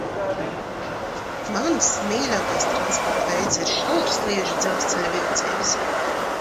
Mans mīļākais transporta veids ir šaursliežu dzelzceļa vilciens.